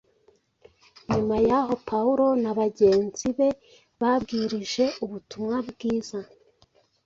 Nyuma y’aho Pawulo na bagenzi be babwirije ubutumwa bwiza